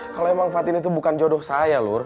kalau emang patin itu bukan jodoh saya lur